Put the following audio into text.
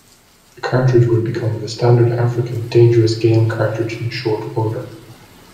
The cartridge would become the standard African dangerous game cartridge in short order.